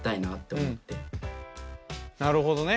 なるほどね。